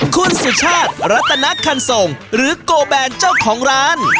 คุณสุชาติรัตนคันส่งหรือโกแบนเจ้าของร้าน